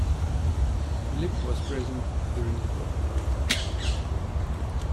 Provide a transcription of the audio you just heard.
Phillippe was present during the birth.